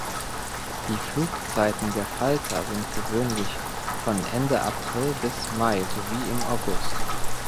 Die Flugzeiten der Falter sind gewöhnlich von Ende April bis Mai sowie im August.